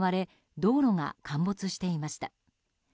道路が陥没していました。